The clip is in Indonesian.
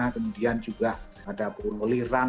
kemudian juga ada pulau liran